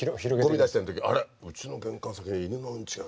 ゴミ出してる時あれうちの玄関先に犬のうんちが。